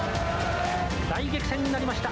大激戦になりました。